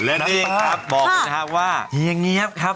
และนี่ครับบอกเลยนะครับว่าเฮียเงี๊ยบครับ